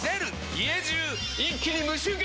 家中一気に無臭化！